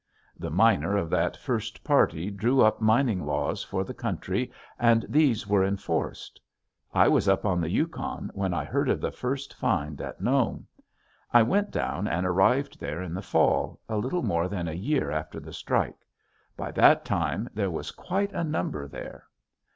The miner of that first party drew up mining laws for the country and these were enforced. I was up on the Yukon when I heard of the first find at Nome. I went down and arrived there in the fall, a little more than a year after the strike. By that time there was quite a number there.